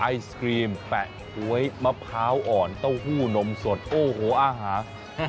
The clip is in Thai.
ไอศครีมแปะก๊วยมะพร้าวอ่อนเต้าหู้นมสดโอ้โหอาหาร